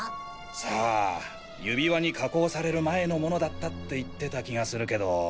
さあ指輪に加工される前のものだったって言ってた気がするけど。